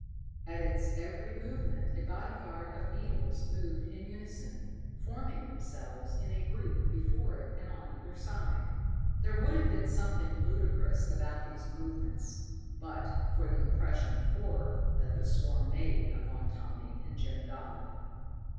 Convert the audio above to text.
At its every movement a bodyguard of beetles moved in unison, forming themselves in a group before it and on either side. There would have been something ludicrous about these movements, but for the impression of horror that the swarm made upon Tommy and Jim Dodd.